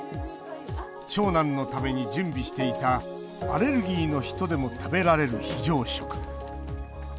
長男のために準備していたアレルギーの人でも食べられる非常食。